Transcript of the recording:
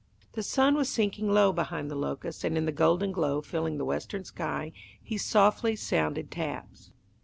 The sun was sinking low behind the locusts, and in the golden glow filling the western sky, he softly sounded taps.